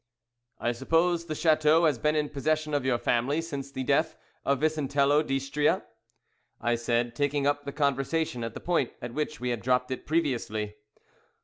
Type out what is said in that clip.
'" "I suppose the chateau has been in possession of your family since the death of Vicentello d'Istria?" I said, taking up the conversation at the point at which we had dropped it previously.